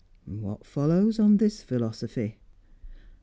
"What follows on this philosophy?"